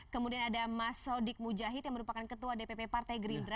kemudian ada mas sodik mujahid yang merupakan ketua dpp partai gerindra